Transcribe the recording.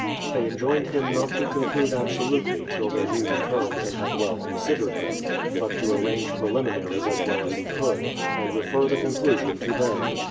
They en joined him not to conclude absolutely till they knew the terms and had well considered them, but to arrange pre THE PLYMOUTH SETTLEMENT 173 liminaries as well as he could, and refer the conclusion to ■hem.